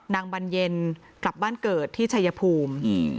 บรรเย็นกลับบ้านเกิดที่ชายภูมิ